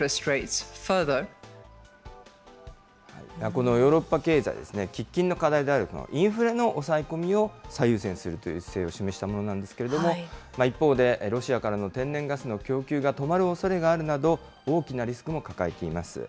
このヨーロッパ経済、喫緊の課題であるこのインフレの抑え込みを最優先するという姿勢を示したものなんですけれども、一方で、ロシアからの天然ガスの供給が止まるおそれがあるなど、大きなリスクも抱えています。